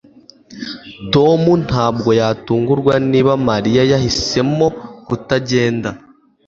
Tom ntabwo yatungurwa niba Mariya yahisemo kutagenda